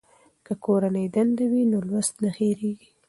که کورنۍ دنده وي نو لوست نه هېریږي.